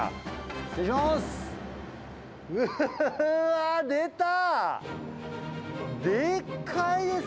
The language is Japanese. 失礼します。